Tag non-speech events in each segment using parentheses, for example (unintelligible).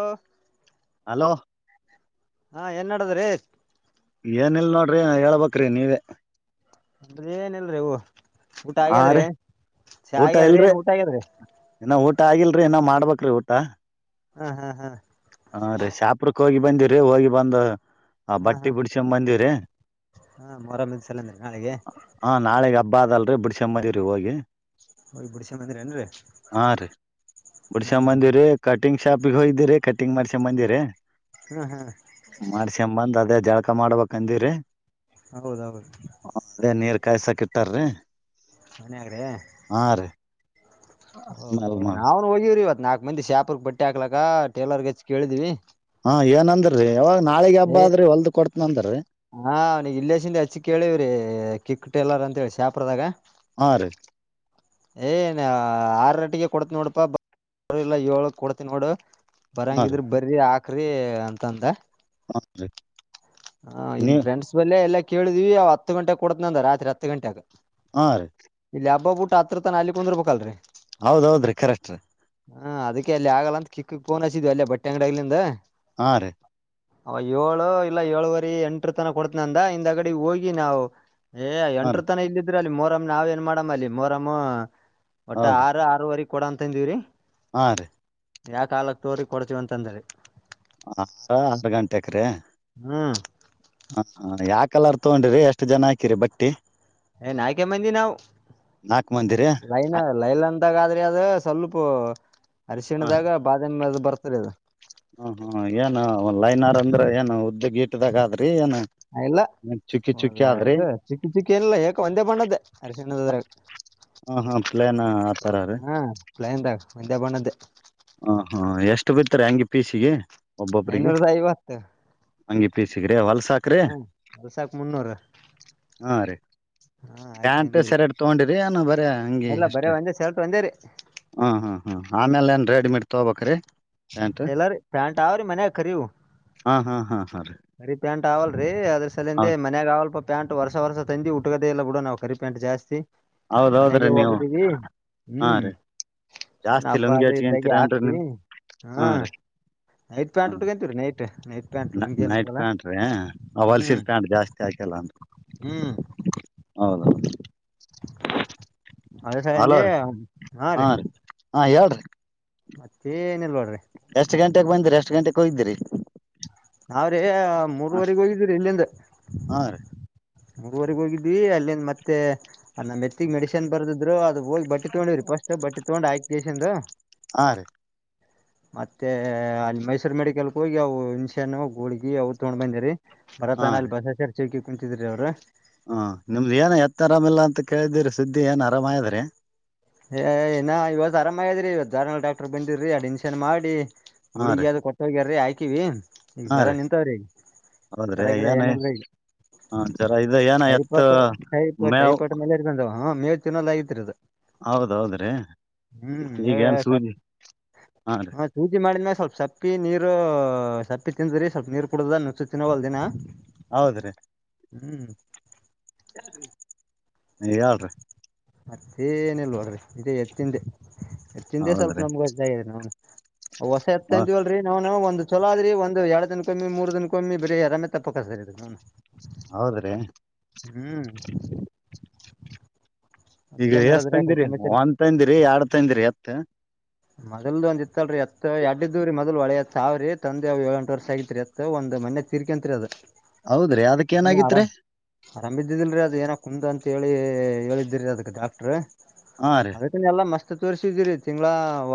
ಹಾ ಹಲೋ ಹಾ ಏನ್ಡದ್ರೀ ಏನಿಲ್ ನೋಡ್ರಿ ಹೆಲ್ಬೇಕ್ರಿ ನೀವೇ. ಏನಿಲ್ರಿ ಹೂ ಊಟ ಹಾ ಹಾಗಾದ್ರೆ ರೀ ಚ ಊಟ ಹಾಗೆದ್ರೆ ಇಲ್ರಿ ಏನು ಊಟ ಆಗ್ಯಾದ್ರೆ ಇನ್ನ ಊಟ ಆಗಿಲ್ರರಿ ಏ ಮಾಡ್ಬೇಕಕ್ ಊಟ ಹ್ಮ ಹಾ ಹಾ ಹಾ ರೀ ಶಾಪುರ್ಕ್ ಹೋಗಿ ಬಂದಿವ್ರಿ ಹೋಗಿ ಬಂದ ಆ ಹಾ ಬಟ್ಟಿ ಹಾ ಬಿಡ್ಸಂಬ ಬಂದಿವವ್ರಿ ಆರಾಮ ಚಲಂದ್ರೆ ನಾಳೆಗೆ ಬಾದ ಅಲ್ರಿ ಬಿಡ್ ಶಮ್ಮಾಜ ರರಿ ಹೋಗಿ ಹ ಬುಡಿಶ ಮಂದ್ರ ಏನ್ ರೀ ಹಾ ರೀ ಬಿಡ್ಸ್ಕೊಂಡ್ ಹ್ಮ್ ಹ ಬಂದಿವ್ರಿ ಕಟಿಂಗ್ ಶಾಪಿಗೆ ಹೋಗಿದ್ದೀರಿ ಕಟ್ಟಿಂಗ್ ಮಾಡ್ಸಕ ಬಂದಿರ ಹಾ ಹಾ ಮಾಡ್ಸಕ ಬಂದ್ ಅದೇ ಜಳ ಮಾಡಬೇಕಂದಿರಿ ಹೌದೌದು (unintelligible) ಮನಗ್ರೆ ಹಾ ರೀ ಹೌದ್ ಆಮೇಲ್ ಹೌದು ಮಾಡ ನಾವ್ನು ಹೋಗಿವವ್ರಿ ಇವತ್ ನಾಕ್ ಮಂದಿ ಶಾಪರ್ಗ್ ಬಟ್ಟೆ ಹಾಕ್ಲಕ್ಕ ಟೇಲರ್ಗ್ ಹಚ್ಚಿ ಕೇಳದ್ವಿ. ಹಾ ಏನ್ ಅಂದ್ರೀ ನಾಳಿಗ್ ಏ ಹಬ್ಬ್ರ ಹೊಲ್ದ ಕೊಡ್ತಿನ ಹಾ ಅವ್ನ ಇಲ್ಲಸಿಂದ ಹಚ್ಚಿೇಳಿವ್ರಿ ಕಿಕ್ ಟೇಲರ್ ಅಂತ ಹೇಳಿ ಶಾಪ್ರದಾಗ. ಹಾ ರೀ. ಏನ್ ಆರಟ್ಟಿಗೆ ಕೊಡ್ತ ನೋಡಪಾಲ್ಲ ಏಳ ಕೊಡ್ತಿ ನೋಡು. ಹಾ ರೀ ಬರಂಗಿದ್ರ ಬರಿ ಆಕ್ರಿ ಅಂತ ಅಂದ. (inaudible) ಹ ಇಲ್ಲಿ ನೀವ್ ಫ್ರೆಂಡ್ಸ್ ಬಲ್ಲೆ ಎಲ್ಲ ಕೇಳಿದಿವವಿ ಅವ ಹತ್ತು ಗಂಟೆ ಕೊಡತನಂದ ರಾತ್ರಿ ಹತ್ತು ಗಂಟೆಗ. ಹಾ ರೀ ಇಲ್ಲಿ ಹಬ್ಬ ಬುಟ್ ಆತ್ರ ತನ ಅಲ್ಲಿಕುಂದ್ರು ರ್ಬೇಕಲ್ರಿ. ಹೌದೌದ್ರಿ ಕರೆಕ್ಟ್ ರೀ ಹಾ ಅದಕ್ಕೆ ಅಲ್ಲಿ ಆಗಲ್ಲ ಅಂತ ಕಿಕ್ಕಕ್ಫೋನ್ ಹಚ್ಚಿದ್ವಿ ಅಲ್ಲೇ ಬಟ್ಟೆ ಅಂಗಡಿಲಿಂದ. ಹಾ ರೀ ಅವ ಏಳು ಇಲ್ಲ ಏಳುವರಿ ಎಂಟ್ರು ತನ ಕೊಡ್ತಿನಂದ ಇಂದಗಡಿ ಹೋಗಿ ನಾವು. ಏ ಹಾ ರೀ ಎಂಟರು ತನ ಇಲ್ಲಿದ್ರ ಅಲ್ಲಿ ಮೋರಮ್ಮ್ ನಾವ್ ಏನ್ ಮಾಡಮ್ಮ ಅಲ್ಲಿ ಮೋರಮ್ಮು. ಒಟ್ಟ ಹೌದ್ರಿ ಆರು ಆರುವರಿ ಕೊಡ ಅಂತಂದಿವ್ರೀ. ಹಾ ರೀ ಯಾ ಕಾಲಕ್ ತೋರಿ ಕೊಡ್ತಿವಂತಾದರಿ. ಆರ ಆರ್ ಗಂಟೆಕ್ರೀ. ಹ್ಮ್ ಹ ಹ ಯಾವ ಕಲರ್ ತಗೊಂಡ್ರಿ ಎಷ್ಟ್ ಜನ ಹಾಕಿರಿ ಬಟ್ಟಿ. ಏ ನಾಲ್ಕೆ ಮಂದಿ ನಾವು ನಾಲ್ಕು ಮಂದಿರಿ ಲೈನ್ ಹಾಂ ಲೈಲ ಅಂದಾಗ ಆದ್ರೆ ಅದು. ಸ್ವಲ್ಪ ಅರಿಶಿಣದಾಗ ಬಾದಾಮಿ ಅದು ಬರ್ತರಿ ಅದು. ಹ್ಮ ಹ್ಮ ಏನ್ ಒ ಲೈನರ್ ಅಂದ್ರೆ ಏನ್ ಉದ್ದ ಗೀಟದಾಗ ಆದ್ ಇಲ್ಲ ಆದ್ರಿ ಇದು ಒಳೆ ಚಿಕ್ಕ ಚಿಕ್ಕಿ ಏನಿಲ್ಲ ಏಕ ಒಂದೇ ಬಣ್ಣದ್ದೇ ಅರಶಿಣ್ಣದದ್ರಾಗ. ಹ ಹಾ ಪ್ಲೇನ್ ಆತರ ರೀ. ಪ್ಲೈನ್ದಾಗ ವಂದ್ಯಾ ಬಣ್ಣದ್ದೆ ಹ ಹಾ ಎಷ್ಟು ಬಿತ್ತ್ರಿ ಹಂಗಿ ಪೀಸಿಗೆ ಐನೂರುದ ಐವತ್ತು ಹಂಗಿ ಪೇಸಗ್ರೆ ವಲ್ಸ ಹ್ಮ ವಲ್ಸಕ್ ಮುನ್ನೂರ್. ಹಾಂ ರೀ ಪ್ಯಾಂಟ್ ಶರ್ಟ್ ತಗೊಂಡಿರಿ ಎನ ಬರ ಹಂಗಿ ಎಲ್ಲ ಬರೇ ಅಷ್ಟೇ. ಒಂದೇ ಶರ್ಟ್ ಒಂದೇ ರೀ ಹ್ಮ್ ಹ್ಮ್ ಹ್ಮ್ ಆಮೇಲೆ ಏನ್ ರೆಡಿಮೀಡ್ ತಗೋಬೇಕ್ರಿ. ಎಲ್ಲ ರೀ ಪ್ಯಾಂಟ್ ಆರೆ ಮನಿಗ್ ಕರಿವು ಹಾಂ ಹಾಂ ಹಾಂ ಹಾಂ ರೀ ಕರಿ ಪ್ಯಾಂಟ್. (unintelligible) ಸಲಂದೆ ಹೌದು ಮನ್ಯಾಗ ಅವಲ್ಪ ಪ್ಯಾಂಟ್ ವರ್ಸ ವರ್ಸ ತಂದಿ (unintelligible) ನಾವು ಕರಿ ಪ್ಯಾಂಟ್ ಜಾಸ್ತಿ. ಹೌದು ಹೌದು ರೀ ಮನೆಗೆ ನೀವು ಹೋಗಿದ್ದೀವಿ ಹಾಂ ರೀ ಹ್ಮ್ ಸುಮ್ನೆ ಜಾಸ್ತಿ ಹಬ್ಬ ಲುಂಗಿ ಅದ ಇದ್ದಾಗ ಹಚ್ಕೊಂತೀರನ್ರಿ ಹಾಕ್ತಿ ನೀವು ಹಾ ನೈಟ್ ಪ್ಯಾಂಟ್ ಟ್ಕಂತೀವ್ರೀ ನೈಟ್ ನೈಟ್ ಪ್ಯಾಂಟ್ ನ ಲುಂಗಿ ಏನ್ ನೈಟ್ ಉಟ್ಕಲ್ಲ ಪ್ಯಾಂಟ್ರಿ ಆ ಹೊಲ್ಸಿನ ಹ್ಮ್ ಪ್ಯಾಂಟ್ ಜಾಸ್ತಿ ಹಾಕಲ್ಲ ಅಂತ ಹ್ಮ್ ಹೌದೌದು ಅದ ಸಂಜೆ ಹಾ ರೀ ಹಾ ಹೇಳ್ರಿ ಮತ್ತಿ ಎಷ್ಟ್ ಗಂಟೆಗೆ ಬಂದ್ರಿ ಎಷ್ಟ್ ಗಂಟೆಕ್ ಹೋಗ್ದಿರಿ. ನಾವ್ರಿ ಮೂರ್ವರೆಗ ಹೋಗಿದೀರಿ ಇಲ್ಲಿಂದ. ಹಾ ರೀ ಮೂರುವರೆಗ್ ಹೋಗಿದ್ವಿ ಅಲ್ಲಿಂದ್ ಮತ್ತೆ. ನಮ್ ಎತ್ತಿಗ್ ಮೆಡಿಷನ್ ಬರ್ದಿದ್ರು ಅದು ಹೋಗಿ ಬಟ್ಟಿ ತೊಳಿರಿ ಪಸ್ಟ್ ಬಟ್ಟಿ ತಗೊಂಡ್ (unintelligible) ಆರು (inaudible) ಮತ್ತೆ ಅಲ್ಲಿ ಮೈಸೂರು ಮೆಡಿಕಲ್ಗೆ ಹೋಗಿ ಅವು ಹನ್ಶನ್ ಗುಳ್ಗಿ ಅವರು ತಗೊಂಡ್ ಬಂದರಿ ಭರತನಲ್ಲಿ ಬಸಾಚರ್ ಚೌಕಿ ಕುಂತಿದ್ರಿ ಅವ್ರು ಹ ನಿಮ್ದ್ ಏನ ಎತ್ ಆರಾಮಿಲ್ಲ ಅಂತ ಕೇಳಿದಿರಿ ಸುದ್ದಿ ಏನ್ ಆರಾಮದ್ರೀ ಏ ಏನ ಇವತ್ತು ಆರಾಮ ಆದ್ರಿ ಜಾರಲ್ ಡಾಟರ್ ಬಂದಿರಿ ಅಡ್ಮಿಷನ್ ಮಾಡಿ ಹಾ ಗುಳಿಗ ರೀ ಯ್ದ ಕೊಟ್ಟ ಹೋಗ್ಯಾರರಿ ಆಯ್ಕಿವಿ ಈಗ ಹಾ ಜ್ವರ ರೀ ನಿಂತಾವ್ರೀ ಈಗ ಜ್ರಾಗಿರ ಏನ ಇಲ್ ಈಗ ಹ ಜರ ಇದ ಏನ ಎತ್ತ ಹೈಪಾಟ್ ಪಾಟ್ ಮೇವ್ ಹೈಪಾಟ್ ಮೇಲೆ ಇರ್ ಬಂದವ ಹ ಮೇವ ಚನ್ನೋಲ್ ಆಗತಿರದು ಹೌದ್ ಹೌದ್ರಿ ಹ್ಮ್ ಈಗೇನ್ ಸೂಜಿ ಹಾ ರೀ ಹ ತುಜ ಮಾಡ ನ (inaudible) ಸ್ವಲ್ಪ ಸಪ್ಪಿ ನೀರು ಸಪ್ಪಿ ತಿಂದ್ರಿ ಸ್ವಲ್ಪ ನೀರ್ ಕುಡುದನ್ನು ಸು ತಿನ್ನೋಗಲ್ ದಿನ ಹೌದ್ರೀ ಹ್ಮ್ ಯಾರ ರೀ (inaudible) ಅತ್ತೇನ ಇಲ್ ನೋಡ್ರಿ ಇದೇ ಎತ್ತಿಂದೆ ಎತ್ತಿಂದೆ ಸ್ವಲ್ಪ ಹೌದ್ರಿ ನಮ್ಗ ಅಜ್ರಿ ನ ಹೊಸ ಎತ್ತ ಅಂತೀವಲ್ರಿ ನಾವ್ಾವವು ಒಂದು ಚಲ ಅ ಆದ್ರಿ ಒಂದು ಎರಡ್ ದನ ಕಮ್ಮಿ ಮೂರ್ ದಿನ ಕಮ್ಮಿ ಬರೀ ಆರಾಮೇ ತಪ್ಪ ಕ ಹೌದ್ರೀ ಈಗ ಮತ್ತೇನ್ ಎಷ್ಟ ನಡದ್ರಿ ಯಾಕ್ರಿ ತಂದಿರಿ ಸಮಾಚಾರ ಒಂದ್ ತಂದಿರಿ ಎರಡ್ ತಂದಿರಿ ಎತ್ ಮೊದಲ್ದೊಂದ ಇತ್ತಲ್ರರಿ ಎತ್ತು ಅಡ್ಡ ದೂರಿ ಮೊದಲು ಒಳೆಯತ್ವ್ರರಿ ತಂದೆ ಅವವು ಏಳೆಂಟು ವರ್ಷ ಆಗಿತ್ರಿ ಎತ್ತು ಒಂದ ಮ ತೀರ್ಕ ಅಂತರಿ ಅದರ ಹೌದ್ರಿ ಅದಕ್ ಏನಾಗಿತ್ರಿ ಆರಾಮಿದ್ದಿದಲ್ರಿ ಅದ ಏನ ಕುಮ್ದು ಅಂತ ಹೇಳಿ ಹೇಳಿದ್ರರಿ ಅದಕ್ಕೆ ಡಾಕ್ಟ್ರ ಹಾ ರೀ ಅದಕ್ಕ ಎಲ್ಲ ಮಸ್ತ್ ತೋರ್ರಿಸಿದಿರಿ ತಿಂಗಳ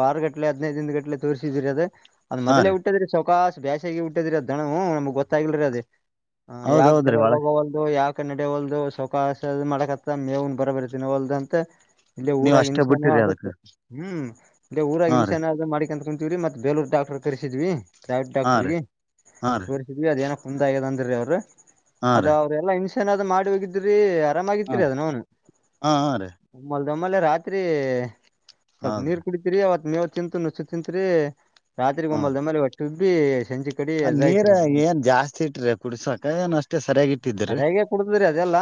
ಆಾರರು ಗಟ್ಲೆ ಹದಿನೈದಂದು ಗಂಲೆ ತೋರಿಸಿದಿರಿ ಅದೇ ಅದ ಹಾ ರೀ ಮೊದ್ಲೆೇುಟ್ಟಿದ್ರಿ ಸವಕಾಾಸ ಬೇಾಸಗಿ ಹುಟ್ಟದ್ರಿ ಅದ್ ದನವುೂ ನಮ್ಗ್ ಗೊತ್ತಾಗಿಲ್ರಿ ಅದ ಹ ಯಾಕೆ ಹೌದೌದ್ರಿ ಗಳೆ ಒಳಗ್ ಹೋಗೋವಲ್ದು ಯಾಕೆ ನಡವಲ್ದು ಸವಕಾಸ ಮಾಡಕತ್ತ ಮೇವನ್ ಬರ ಬರ್ತ್ತ ದಿನವಲ್ದಂತೆ ಇಲ್ಲೇ ನೀವ್ ಊರಾಗ ಅಷ್ಟೇ ಹನ್ಸಾನ ಬಿಟ್ಟಿರಿ ಅದಕ್ ಆಗುತ್ತತ್ ಹ್ಮ್ ಇಲ್ಲ ಊರಾಗ ಹ ಹಾ ರೀ ಇನ್ಸಾನ ಆ ಮಾಡಿಕಂತ ಮತ್ತ ಬೇಲೂರ್ ಡಾಕ್ಟರ್ ತರಿಸಿದ್ವಿ ಪ್ರೈವಟ್ ಹಾ ರೀ ಡಾಕ್ಟರ್ಗೆ ಹಾ ರೀ ತೋರಿಸಿದ್ವಿ ಅದೇನೋ ಮುಂದಾಗದ ಅಂದ್ರೀ ಅವ್ರರು ಹಾ ಅದ ರೀ ಅವ್ರೆಲ್ಲಾ ಹನ್ಸೆನ್ದ್ ಮಾಡ್ಬೇಕೋಗಿದ್ರಿ ಹಾ ಆರಾಮಾಗಿತಿರಿ ಅದ ನನು ಹಾ ಹ ರೀ ಅವದಮ್ಮಲೆ ರಾತ್ರಿ ಸ್ವಲ್ಪ ನೀರ್ ಹೌದ್ರಿ ಕುಡತಿರಿ ಅವತ್ ಮೇವ ತಿಂತ ನುಚ್ಚು ತಿಂತರಿ ರಾತ್ರಿ ಹಾ ಒಂಬಲ್ ರೀ ದಂಬಲ್ಲಿ ಒಟ್ಟು ಭೀ ಸಂಚ ಆ ನೀರ ಕಡಿಾಯ್ತ್ರಿ ನಾ ಏನ್ ಜಾಸ್ತಿ ಇಟ್ರಿ ಕುಡ್ಸಕ ಏನ್ ಅಷ್ಟೇ ಸರಿಯಾಗಿ ಇಟ್ಟಿದ್ರಿ ಸರಿಾಗ ಕುಡುದ್ರಿ ಅದೆಲ್ಲ ಲ್ಲ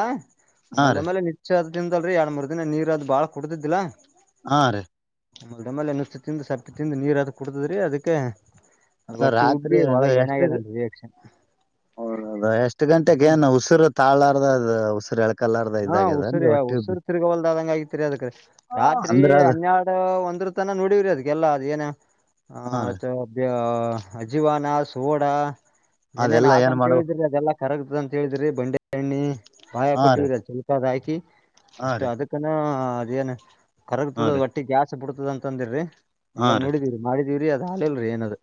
ಹಾ ಒಮ್ಮಲ್ದ ರೀ ಮೇಲೆ ನಿಚ್ಚ ಅದಿಂದಲ್ರಿ ಎರಡ್ ಮೂರ್ ದಿನ ನೀರ್ ಅದು್ ಬಾಳ ಕುಡ್ದಿದ್ದಿಲ್ಲಾ ಹಾ ರೇ ಮಡೆಮೇಲೆ ಎನ್ನುಷ್ಟು ತಿಿಂದಂದು ಸಪ್ಪಿ ತಿಿಂದಂದು ನೀರ್ದು ಕುಡತದ್ರಿ ಅದಕ್ಕೆ ಅದ್ ಹೊಟ್ಟಿ ರಾತ್ರಿ ಉಬ್ಬಿ ಅದು ಒಳಗ್ ಎಷ್ಟ ಏನಾಗ್ಯದನ್ರಿ ರಿಯಾಕ್ಷನ್ ಹೌದ ಎಷ್ಟು ಗಂಟೆೆಗೆ ಹ್ಮ್ ಏನು ಉಸಿರು ತಾಳಾರ್ದ ಅದು ಉಸಿರು ಎಳಕಲಾರ್ದ ಇದಾಗ್ಯದನ್ ಒಟ್ಟಿ ಹರು ತಿರ್ಗಬಲ್ದದಂಗ ಆಗಐತ್ರಿ ಅದಕ್ ರಾತ್ರಿ ಅಂದ್ರ ಅದ ಹನ್ನೆರಡು ಒಂದ್ರ ತನ ನೋಡವ್ರಿ. ಅದಕ್ಕೆಲ್ಲ ಅದ ಏನ ಹ ಹಾ ರೀ ಅಥವಾ ಅಜೀವಾನಾ ಸೋಡ (inaudible) ಏನೇನ್ ಏನ್ ಹಾಕ್ಂತ ಮಾಡ್ಬೇಕು ಹೇಳಿದ್ರಿ ಅದೆಲ್ಲ ಕರಗತದ ಅಂತ ಹೇಳಿದ್ರಿ ಬಂಡಿ ಎಣ್ಣಿ ಮಾಾಯ ಹಾ ರೀ ಕೊಟ್ಟಿವ್ರ ಚುಲ್ಕದ ಆಯತು ಹಾಕಿ ಹಾ ಅಷ್ಟೇ ರೀ ಅದಕ್ಕನ ಅದೇಏನ್ ಹಾ ಕರಗ್ತದ ರೀ ಒಟ್ಟಿ ಗ್ಯಾಸ್ ಬಿಡ್ತದ ಅಂತ ಅಂದಿರ್ರಿ ಹಾ ಎಲ್ಲಾ ರೀ ನೋಡಿದೀವ್ರರಿ ಮಾಡಿದಿವವ್ರರಿ ಅದ ಹಾಲಲ್ರರಿ ಏನದು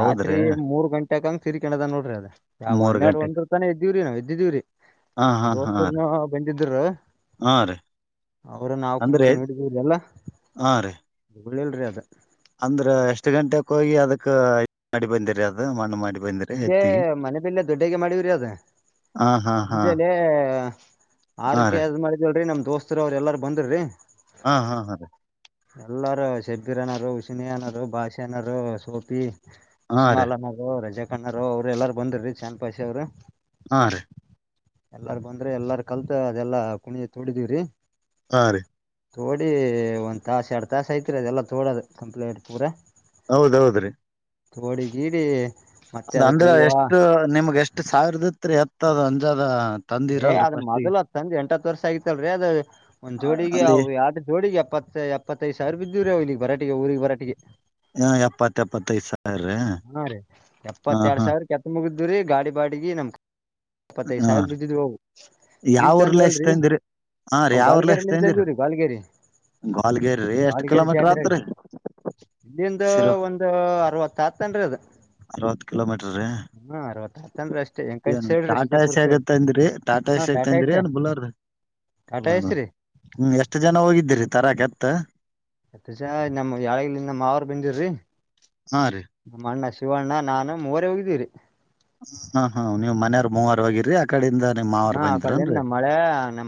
ರಾತ್ರಿ ಮೂರು ಗಂಟೆ ಕಂಗ್ರಿಕಣದ ನಡ್ರಿ ಅದ ಯಾವ ಮೂರ್ ಹೆರಡು ಗಂಟೆಕ್ ಒಂದ್ರ ತಾನೆ ಇದ್ದವ್ರರಿ ನಾವ ಇದ್ದಿದೀವರಿ ಹಾ ನಮ ಹಾ ಹಾ ರೀ ದೋಸ್ತರ್ನ ಬಂದಿದ್ರ ಹಾ ರೀ ಅವ್ರ ನಾವು ಅಂದ್ರೆ ಕುಂತು ಹಾ ರೀ ನೋಡಿದದೆಲ್ಲಳ್ಳೇಲ್ರಿ ಅದ ಅಂದ್ರ ಎಷ್ಟ್ ಗಂಟೆಕ್ ಹೋಗಿ ಅದಕ್ಕ ಮಾಡಡಿ ಬಂದಿರಿ ಅದ ಮಣ್ಣು ಮಾಡಿ ಬಂದಿರಿ ಇೇ ಎತ್ತಿಗೆ ಮನೆ ಬಿಲ್ಲೆ ದೊಡ್ಡಗೆ ಮಾಡಿವರಿ ಅದ ಹಾ ಹಾ ಹಾ ಮುಂಚಲೆ ಹಾ ಆರಕ್ಕೆ ರೀ ಯದ್ ಮಾಡಿದಲ್ರರಿ ನಮ್ ದೋಸ್ತರು ಅವ್ರ ಎಲ್ಲಾರ ಬಂದ್ರ್ರೀ ಹಾ ಹಾ ಹಾ ರೀ ಎಲ್ಲರೂ ಶಬ್ಬೀರನರು, ಉಸಿನಿಯನರು, ಭಾಷೆಯನರು ಸೋಪಿ ಹಾ ರೀ ಇಸ್ಮಾಲನರು, ರಜಾ ಖನ್ನರ್ ಅವ್ರರು, ಎಲ್ಲಾರು ಬಂದ್ರೀ, ಚಾಂದ್ ಪಾಷ ಅವ್ರು, ಹಾ ರೀ. ಎಲ್ಲಾರ ಬಂದ್ರೆ ಎಲ್ಲಾರ ಕಲ್ತ ಅದೆಲ್ಲಾ ಕುಣಿ ಅದು ತೋಡಿದೀವ್ರಿ. ಹಾ ರೀ. ತೋಡಿ ಒಂದ್ ತಾಸ ಎರಡ್ ತಾಸ ಐತ್ರಿ ಅದೆಲ್ಲಾ ತೋಡದು ಕಂಪ್ಲೇಂಟ್ ಪೂರ. ಹೌದೌದ್ರೀ. ತೋಡಿ ಗಿಡಿ, ಅದ ಅಂದ್ರೆ ಎಷ್ಟು ನಿಮ್ಗೆ ಎಷ್ಟು ಸಾವಿರದತ್ರಿ ಎತ್ತದ ಅಂಜದ. ಏ ಅದ್ ಮೊದಲ ಅದ ತ್ಂದ ಎಂಟತ್ ವರ್ಷ ಆಗಿತ್ತಲ್ರರಿ ಅದ ಒಂದ್ ಜೋಡಿಗೆ ಅದೇ ಆಡು ಜೋಡಿಗೆ ಎಪ್ಪತ್ತು, ಎಪ್ಪತ್ತೈದು ಸಾವಿರ ಬುದ್ದಿವಿರಿ ರ ಅವ ಇಲ್ಲಿಗ್ ಬರಾಟ ಊರಿಗೆ ಬರಾಟಿಗೆ. ಹಾ ಎಪ್ಪತ್ತ ಎಪ್ಪತ್ತೈದು ಸ ಸಾವಿರ ರೀ ಹಾ ರೀ ಎಪ್ಪತ್ತ ಎರಡ್ ಹಾ ಸಾವಿರ ಕೆತ್ತ ಮುಗಿದ್ರೀ ಗಾಡಿ ಬಾಡಿಗೆ ನಮ್ ಇಪ್ಪತ್ತೈದ್ ಹಾ ಸಾವಿರ ರೀ ಬಿದ್ದಿದ್ವು ಯಾವ ಈಗ್ ತಂದಿವಿ ಊರ್ಲೆಸ್ ಅಲ್ರರಿ. ತಂದಿರಿ ಹಾ ಅವು ಗಾಲ್ಗೇರಿ ನಿಂತ ತಂದಿವೀರಿ. ಗಾಲಗೇರಿ, ಗ್ವಾಲ್ಗಿರಿ ಎಷ್ಟ್ ಕಿಲೋಮೀಟರ್ ಆತ್ರಿ. ಇಲ್ಲಿಂದ ಶಿರು ಒಂದು ಅರವತ್ ಆತ ಅರವತ್ ಕಿಲೋಮೀಟರ್ ರೀ ಏನು (unintelligible) ಟಾಟಾ ಐಸಿಗ ತಂದ್ರಿ ಟಾಟಾ ಐಸಿಗ ಆಗ ತಂದ್ರರಿ ಎಸ್ರಿ ಏನ್ ಬುಲರ್. ಟಾಟಾ ಹ ಎಸ್ರಿ ಹ್ಮ್ ಎಷ್ಟ್ ಜನ ಹೋಗಿದ್ದೀರಿ ತರಾಕ ಎತ್ತು. ಎಸ್ಟು ಜನ ನಮ್ಮ್ ಯಾಳಗ ನಮ್ಮ ಮಾವರು ಬಂದಿರಿ. ಹಾ ರೀ ನಮ್ಮ ಅಣ್ಣ, ಶಿವಣ್ಣ ನಾನು, ಮೂವರ ಹೋಗಿದ್ದೀರಿ. ಹ್ಮ್ ಹ್ಮ್ ನೀವ್ ಮನೆಯವರ್ ಮೂವಾರ ಹೋಗಿರಿ ಆ ಕಡಿಂದ ನಿಮ್ ಮಾವಾರ ಬಂದಿದ್ರ ಏನ್ರಿ.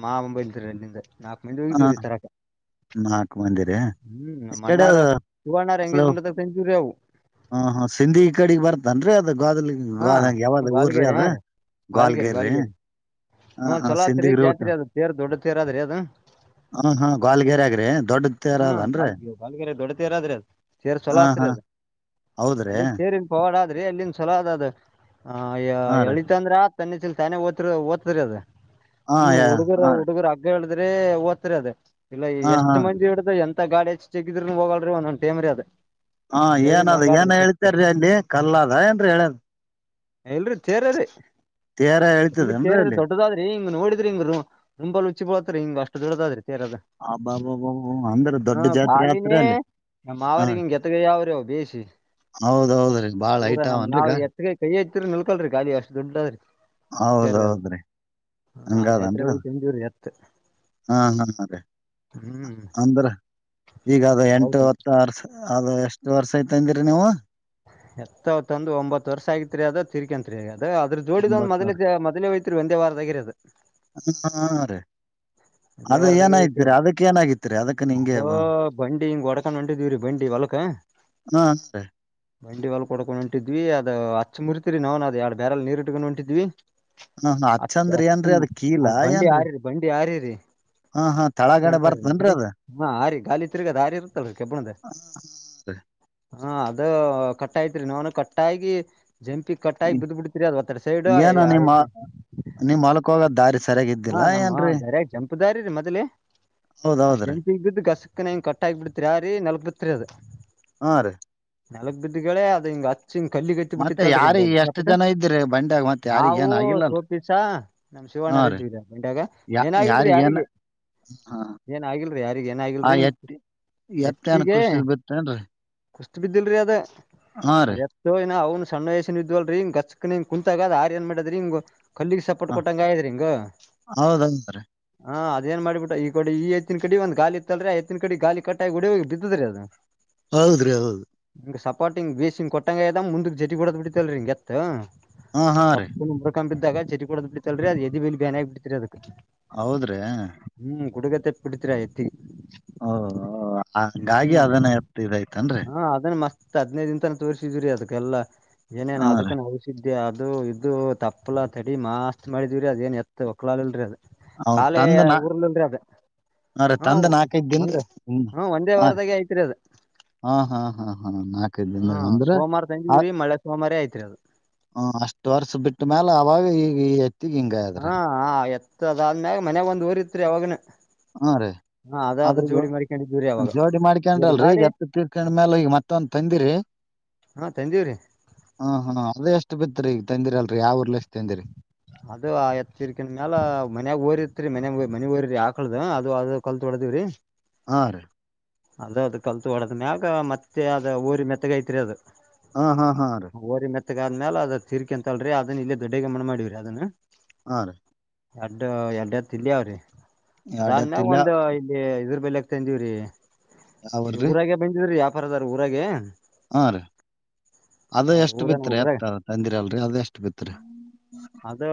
ಮಾಮ ಬಂದ್ರಿರ ಅಲ್ಲಿಂದ ನಾಲ್ಕ ಮಂದಿ ಹ ಹೋಗ್ದೀವ್ರೀ ತರಕ. ನಾಕ್ ಮಂದಿರಿ ಹ್ಮ್ ಈ ಕಡೆ ನಮಣ್ಣಾರ ಶಿವಣ್ಣರಾ ಎಂಗಜ್ಮಂಟ್ ತಂದಿದ್ವುರಿ ಅವು. ಹಾ ಹಾ ಸಿಂಧಿಗಿ ಕಡೆಗ್ ಬರ್ತನ್ರಿ ಅದ. ಗೋದಲ್ ಹಾ ಗೋ ಹಂಗೆ ಯಾವಾಗ ಊರ್ರಿ ಗ್ವಾಲ್ಗೇರಿ ಹಾ ಅದು ರೀ ಗ್ವಾಲ್ಗೇರಿ ಗೋಲ್ಗೇರಿ. ಗ್ವಾಲ್ಗೇರಿ ಹಾ ಹಾ ಚಲೋ ಆತ್ರಿ ಸಿಂದಗಿ ರೋಟ್. ಜಾತ್ರಿ ಅದು (unintelligible) ಹಾ ಹಾ ಗ್ವಾಲ್ಗರೆ ಆಗ್ರಿ. ಹಾ ಗಾಲ್ಗ ಗಾಲ್ಗಿಯರೆ ದೊಡ್ಡ ತೆರಾದ್ರಿ ಅದ್ ತೇರ್ ಚೊಲೋ ಹ ಆತ್ರಿ ಹಾ ಅದು. ಹೌದ್ರಿ ಅಲ್ಲಿ ತೇರಿನ್ದ ಪವಾಡಾದ್ರಿ ಅಲ್ಲಿಂದ ಚೊಲೋ ಆದದು. ಅಯ್ಯ ಹಾ ರೀ ಎಳಿತ ಅಂದ್ರ ತನ್ನಿಚ್ಚಿಲ್ ತಾನೇ ಓ ಓತಾದ್ರಿ ತ ಅದ. ಹಾ ಸುಮ್ನ್ ಹುಡುಗರ ಹಾ ರೀ ಹುಡುಗರು ಹಗ್ಗ ಇಡಿದ್ರೆ ಓತ್ರಿ ಅದ ಇಲ್ಲ ಹಾ ಎಷ್ಟ್ ಹಾ ಮಂದಿ ಹೇಳ ಎಂತ ಗಾಡಿ ಹಚ್ಚಿ ಜೆಗಿದ್ರು ಹೋಗಲ್ರಿ ಒಂದೊಂದ ಟೈಮ್ರಿ ಅದು. ಹಾ ಏನದ ಏನ್ ಹೇಳ್ತಾರೀ ಅಲ್ಲಿ ಕಲ್ಲದ ಏನ್ರಿ ಹೇಲೆ ದ್. ಇಲ್ರಿ ತೇರ ರ್ರೀ ತೇರ ಇಲ್ಲಿ ಹೇಳ್ತದೇನ್ರೀ ತೇರ್ ರಿ ಅಲ್ಲಿ ದೊಡ್ಡದಾದ್ರಿ. ಹ ನೋಡಿದ್ರಿಂಗ ಬ್ರೋ ರೂಬಾಲ ಹುಚ್ಚಿ ಬುಳತರಿ ಹಿಂಗ ಅಷ್ಟ ದೊಡ್ಡದಾದ್ರಿ. ಹ ಬಬಾಬಾ ಹ್ಮ ಬಾಲಿನೇ ನಮ್ಮ ಹ ಮಾವರಿಗಿ ಇಂಗ ಎತಗಯಿ ಯಾವ ರಿ ಅವ ಬೇಯಿಸಿ ಹೌದೌದ್ರಿ ಬಾಳ ಊರ ಹೈಟ್ ನಮ ಅವನ್ರಿ ಈಗ ಮಾವ್ ಎತ್ತಗ ಕೈಯ ಐತಿರಿ ನಿಲ್ಕಲ್ರಿ ಗಾಲಿ ಅಷ್ಟ್ ದುಡ್ಡದ್ರರಿ. ಹೌದೌದ್ರೀ. ಹಾ ಜಾತ್ರೆಗ ಹೋಗಿ ತಂದವರಿ ಎತ್ತು. (unintelligible) ಹ್ಮ್ ಅಂದ್ರ ಈಗ ಅದು ಎಂಟು ಹೌದ್ ಹತ್ತು ವರ್ಷ ಅದು ಎಷ್ಟು ವರ್ಷ ಐತಿ ಅಂದಿರಿ ನೀವು. ಎತ್ತು ಅವು ತಂದು ಒಂಬತ್ತು ವರ್ಷ ಆಗಿತಿರಿ ಅದ ತೀರಿಕಂತರಿ ಹದು ಅ ಅದ್ರ ಜೋಡಿದ ಒಂದು ಒಂಬತ್ತು ವರ್ಷ. ಮೊದಲಿಂದ ಮೊದಲೇ ಹೋಗ್ತಿರಿ ಒಂದೇ ವಾರದಗರದು. (inaudible) ಅದ ಏನಾಗತಿರಿ ಅದು ಅದಕ್ಕ ಏನಾಗಿತಿರಿ ಅದಕ್ಕನೂ ಹಿಂಗೆ ಅದು ಹ್ಮ್ ಬಂಡಿ ಹಿಂಗ್ ಹೊಡ್ಕೊಂಡ್ ಹೊಂಟಿದ್ವಿರಿ ಬಂಡಿ ಹೊಲಕ ಅಷ್ಟೇ ಬಂಡಿ ಹೊಲಕ ಹೊಡಕೊಂಡು ಹೊಂಟಿದ್ವಿ ಅದ ಹಚ್ಚ ಮುರಿತಿರಿ ನಾವನ ಅದು ಎರಡ್ ಬ್ಯಾರೆಲ್ಲ ಅಲ್ಲಿ ನೀರು ಇಟ್ಕೊಂಡು ಹೊಂಟಿದ್ವಿ ಹಾ ಹಾ ಅ ಹಚ್ಚಂದ್ರ ಅಚ್ಚ ಏನ್ರೀ ಅದ್ ಕೀಲ ಆ ಬಂಡಿ ಏನ್ರೀ ಯಾರಿ ಬಂಡಿ ಯಾರರಿರಿ ಹಾ ಹಾ ತಳಗಡೆ ಅಂತಾರೆ ನಮ್ಮ ಬರ್ತನ್ರಿ ಕಡೆ ಅದ ಹಾ ಹಾರಿ ಗಾಲಿ ತಿರುಗದ ಆರಿ ಇರುತ್ತಲರಿ ಕೆಬ್ಬಣದ ಹಾ ಅದು ಕಟ್ಟೈತ್ರಿ ನವನು ಕಟ್ಟಾಗಿ ಜಂಪಿಗ್ ಕಟ್ಟಾಗಿ ಬಿದ್ದ ಬಿಡ್ತೀರಿ ಅದ್ ಒತ್ತಟೆ ಸೈಡು ಐತಿ ನೀಮ್ ಹೊಲ್ಕ್ ಹೋಗದ ದಾರಿ ಸರಿಯಾಗ ಇದ್ದಿಲ್ಲಾ ಏನ್ರೀ ಯಾರಿದು ಮದುವೆ ಆ ಹೌದೌದ್ರಿ ಜಂಪಿಗ್ ಬಿದ್ದು ಕಸುಕನೆ ಕಟ್ ಆಗಿ ಬಿಡ್ತರಿ ಆರಿ ನೆಲಕ ಬಿದ್ದ ಬಿಡ್ತರಿ ಅದು ಹಾ ರೀ ನೆಲ್ಕ ಬಿದ್ದಗಳೇ ಅದು ಹಿಂಗ ಹಿಂಗ್ ಕಲ್ಲಿಗೆ ಅತ್ತ ಮತ್ತೆ ಬಿಟ್ಟಿತ್ತಲ್ರಿ ಹಿಂಗ ಯಾರಿಗ್ ಎಷ್ಟ್ ಸಪಟ್ಟ ಜನ ಇದ್ರಿ ಬಂಡ್ಯಾಗ್ ಮತ್ತ್ ಯಾರಿಗ್ ನಾವು ಏನ್ ಆಗಿಲ್ಲಲ್? ಸೋಪಿಸ ನಮ ಹಾ ರೀ ಶಿವಣರಿದ್ವಿ ಆ ಬಂಡೆಗ ಯಾ ಏನ ಆಗಿಲ್ರಿ ಯಾರಿಗ್ ಏನ್ ಯಾರಿಗೆ ಹಾ ಏನ ಆಗಿಲ್ರಿ ಯಾರಗ ಏನ ಆಗಲ್ರರಿ ಎತ್ತ ನನ್ ಖುಷಿದ್ ಬಿತ್ತೇನ್ರಿ ಕುಸ್ತ ಬಿದ್ದಿಲ್ರಿ ಅದ ಹಾ ರೀ ಅದ ಎತ್ತು ಅವನು ಸಣ್ಣ ವಯಸಿನ ಇದ್ವಲ್ರಿ ಇಂಗಚ್ಸ್ಕನಂಗ ಕುಂತಾಗದ ಆರಿ ಏನ್ ಮಾಡದ್ರಿ ಹಂಗ ಕಲ್ಲಿಗ್ ಸಪೋರ್ಟ್ ಹಾ ಕೊಟ್ಟಂಗ ಆಗೆದ್ರಿ ಹಿಂಗ ಹೌದೌದ್ರಿ ಹಾ ಅದೇನ್ ಮಾಡ್ಬಿಟ್ಟು ಈ ಕಡೆ ಈ ಎತ್ತಿನ ಕಡೆ ಒಂದ ಗಾಲಿ ಇತ್ತಲ್ರಿ ಆ ಎತ್ತಿನ ಕಡೆ ಗಾಲಿ ಕಟ್ಟಾಗಿ ಹೊಡಿ ಹೋಗಿ ಬಿದ್ದದ್ರಿ ಅದು ಹೌದ್ರಿ ಹೌದು ರಿ ಸಪೋರ್ಟ್ ಹಿಂಗಬೀಸಿ ಕೊಟ್ಟಂಗಆಗ್ಯದ ಮುಂದಕ್ ಜಟಿ ಬಿಡದ್ ಬಿಟ್ಟಲ್ರಿ ಇಂಗ ಎತ್ತು ಹಾ ಹಾ ರೀ ಕಂಬಿದ್ದಾಗ ಚಟಿ ಕೊಡದ ಬಿಟ್ಟತಲ್ರಿ ಅದು ಎದಿ ಬಲ್ಲಿ ಬ್ಯಾನ ಆಗ ಬಿಟ್ಟಿತ್ರಿ ಅದಕ್ ಹೌದ್ರಿ ಹ್ಮ್ ಗು ಡುಗತ್ತ ಬಿಡತಿರ ಎತ್ತಿಗೆ ಓ ಹಂಗಾಗಿ ಹ್ಮ್ ಅದನ್ನ ಎತ್ತ್ ಇದೈತೇನ್ರಿ? ಹಾ ಅದನ್ನ ಮಸ್ತ್ ಹತ್ತು ಹದಿನೈದು ದಿನ ತಕ ತಾನ ತೋರ್ರಿಸಿದ್ರರಿ ಅದಕ್ಕೆಲ್ಲಾ ಏನೇನ ಹಾ ಅದಕ್ಕ ರೀ ಔಷದಿ ಇ ಅದು ಇದು ತಪ್ಪಲ ತಡಿ ಮಾಸ್ತ್ ಮಾಡಿದಿವವಿರಿ ಅದ ಏನ್ ಎತ್ತ ಒಕ್ಲಲ್ರಿ ಅದು ಅವ್ ಕಾಲೆ ತಂದ್ ನಾ ಊರ್ಲ್ಲಂದ್ರೆ ಅದು ಹಾ ರೀ ತಂದ ನಾಲ್ಕೈಕ ದಿಂದ ಹ ಹ್ಮ ಒಂದೇ ಹಾ ರೀ ವಾರದಾಗೆ ಐತ್ರಿ ಅದ ಹಾ ಹಾ ಹಾ ಹಾ ನಾಲ್ಕೈದು ಹಾ ದಿನಾಗ ಅಂದ್ರೆ ಸೋಮವಾರ ಆ ತಂದಿದ್ರಿ ಮಳೆ ಸೋಮವಾರೇ ಐತ್ರಿ ಅದು ಹ್ಮ ಅಷ್ಟು ವರ್ಷ ಬಿಟ್ಟ್ಮ್ಯಾಲ ಅವಾಗ ಈಗ ಎತ್ತಿಗ್ ಹಿಂಗಾಗ್ಯದ್ರಿ ಹಾ ಎತ್ತ ಅದ ಆದ್ಮ್ಯಾಗ ಮನೆಗ ಒಂದಒರಿ ಇತರಿ ಅವಾವಾಗನ ಹಾ ರೇ ಹಾ ಅದ ಅದು ಜೋಡಿ ಮಾಡಿ ಕೆಂದು ಅವಾಗ ಜೋಡಿ ಜೋಡಿ ಮಾಡ್ಕೊಂಡ್ರಲ್ರರಿ ಈಗ ಎತ್ತ ತೀರ್ಕೊಂಡ್ಮ್ಯಾಲ ಈಗ ಮತ್ತ ಒಂದ ತಂದಿರಿ ಹಾ ತಂದಿವ್ರಿ ಹಾ ಹಾ ಅದೇ ಎಷ್ಟು ಬಿತ್ರಿ ಈಗ ತಂದಿರಲ್ರಿ ಯಾವರ್ಲಿ ಎಷ್ಟ ಅದು ಆ ಎತ್ರಿಕನ್ ಮ್ಯಾಲ ಮನ್ಯಾಗ ಓರಿರ್ತ್ರಿ ಮನೆ ಮನಿ ಒರಿರೀ ಆಕಳದ ಅದು ಅದ ಕಲ್ತ್ ಹೊಡೆದೀವಿ ರೀ ಹಾ ರಿ ಅಂದು ಅದು ಕಲ್ತು ಹೊಡದ್ ಮ್ಯಾಗ ಮತ್ತೆ ಅದ ಹೊರಿ ಮೆತ್ತಗೈತ್ರಿ ಅದು. ಹಾ ಹಾ ಹಾ ರೀ ಮೆತ್ತಗಾದ ಮೇಲೆ ಆದ್ಮೇ ಅದ ತಿರಿಕ ಅಂತ ಅಲ್ರಿ ಅದನ್ನ ಇಲ್ಲಿ ದೊಡ್ಡ್ಯಾಗ್ ಮಣ್ಣು ಮಾಡವ್ರರಿ ಅದನ್ನು ಹಾ ರೀ ಎರಡು ಎರಡ್ತ್ ಇಲ್ಲಿ ಅವ್ರಿ ಎರಡ್ ಅದ ಎತ್ತಿಲ್ಲ ಒಂದು ಇಲ್ಲಿ ಇದ್ರ ಬೆಲೆ ತಂದೀವ್ರೀ ಇ ಯಾವ್ರಿ ಊರಾಗೆ ಬಂದಿದ್ರಿ ಯಾಪಾರದಾರ ಊರಾಗ ಹಾ ರೀ ಅದ ಅವ್ರ ಎಷ್ಟು ಊರ ಬಿತ್ತರಿ ಊರಾಗ ಎತ್ತದ ತಂದಿರ ಅಲ್ರಿ ಅದ ಎಷ್ಟು ಬಿತ್ತರಿ ಅದು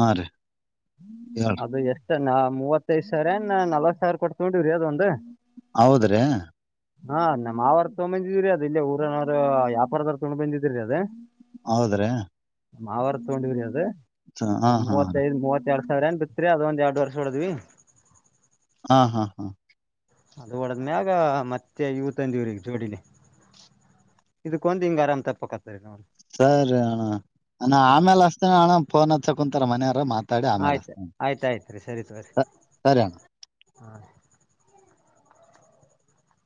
ಹಾ ರೀ ಹೇಳ್ರಿ ಅದು ಎಷ್ಟ ನಾ ಮೂವತ್ತೈದ್ ಸಾವಿರ ಏ ನಾ ನಲ್ವತ್ ಸಾವಿರ ಕೊಟ್ಟ ತೊಗೊಂಡೀವಿ ಅದು ಒಂದು ಹೌದ್ರೀ ಹಾ ನಮ್ ಮಾವರದು ತಗೊ ಬಂದಿದಿವಿರಿ ಅದ ಇಲ್ಲೇ ಊರನವ್ ಯ್ಯಾಪಾರದರ್ ತಗೊಂಡ್ ಬಂದಿದ್ರರಿ ಅದ ಹೌದ್ರೀ ಮಾವಾರ ತೊಂಡಿದರಿ ಅದ ಅದು ಹಾ ರೀ ಮೂವತ್ತೈದು ಮೂವತ್ತ. ಎರಡ್ ಸಾವಿರ ಏನ್ ಬಿತ್ರಿ ಅದ ಒಂದ್ ಯಾಡ್ ವರ್ಷ ಹೊಡಿದ್ವಿ. ಹಾ ಹಾ ಹಾ ಅದು ಹೊಡದಮ್ಯಾಗ ಮತ್ತೆ ಇವ ತಂದೀವ್ರಿ ಜೋಡಿಲಿ. ಇದಕ್ಕೊಂದ್ ಹಿಂಗ್ ಆರಾಮ್ ತಪ್ಪಕತ್ತದರಿ ಹಿನೊಂದ. ಸರಿ ಅಣ ಅಣ್ಣ ಆಮ್ಯಾಲ ಹಸ್ತೇನ ಅಣ್ಣ ಫೋನ್ ಹಚ್ಚ ಕುಂತರ ಮನೆಯವರ ಮಾತಾಡಿ ಆಮ್ಯಾಲ ಆಯ್ತ್ ಹಸ್ತಿನಿ. ಆಯ್ತ್ ಆಯ್ತ್ರಿ ಸರಿ ತೋರಿ ಹಾ ರಿ